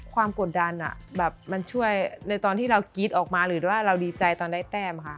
กดดันแบบมันช่วยในตอนที่เรากรี๊ดออกมาหรือว่าเราดีใจตอนได้แต้มค่ะ